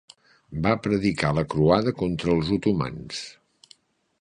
Va predicar la croada contra els otomans.